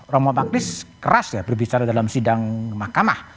romo taktis keras ya berbicara dalam sidang mahkamah